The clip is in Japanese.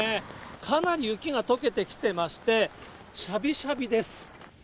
かなり雪がとけてきてまして、しゃびしゃびです。